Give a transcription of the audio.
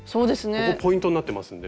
ここポイントになってますんで。